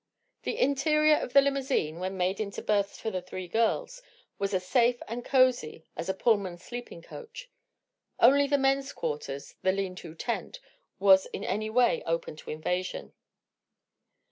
The Interior of the limousine, when made into berths for the three girls, was as safe and cosy as a Pullman sleeping coach. Only the men's quarters, the "lean to" tent, was in any way open to invasion.